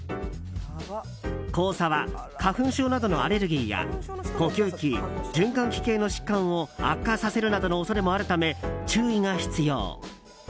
黄砂は花粉症などのアレルギーや呼吸器、循環器系の疾患を悪化させるなどの恐れもあるため注意が必要。